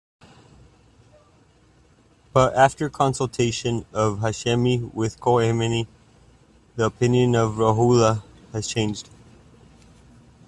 But After consultation of Hashemi with Khomeini, the opinion of Rouhollah has changed.